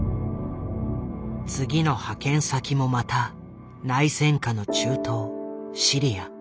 次の派遣先もまた内戦下の中東シリア。